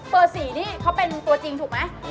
๔นี่เขาเป็นตัวจริงถูกไหม